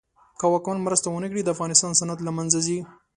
که واکمن مرسته ونه کړي د افغانستان صنعت له منځ ځي.